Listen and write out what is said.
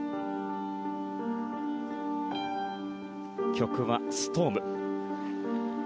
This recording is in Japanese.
曲は「Ｓｔｏｒｍ」。